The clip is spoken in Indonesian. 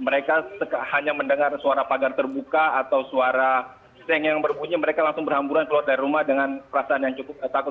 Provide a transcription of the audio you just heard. mereka hanya mendengar suara pagar terbuka atau suara seng yang berbunyi mereka langsung berhamburan keluar dari rumah dengan perasaan yang cukup takut